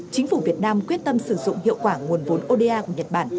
chính phủ việt nam quyết tâm sử dụng hiệu quả nguồn vốn oda của nhật bản